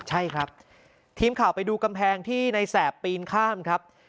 ใช่ครับทีมข่าวไปดูกำแพงที่ในแสบปีนข้ามครับ